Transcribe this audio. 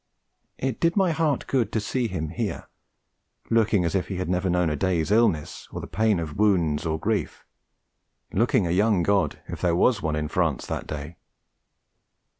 It did my heart good to see him here looking as if he had never known a day's illness, or the pain of wounds or grief looking a young god if there was one in France that day.